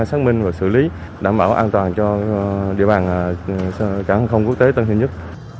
xác minh và xử lý đảm bảo an toàn cho địa bàn cảnh không quốc tế tân thiên nhất